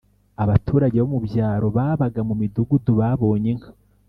abaturage bo mubyaro babaga mu midugudu babonye inka